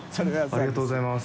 ありがとうございます。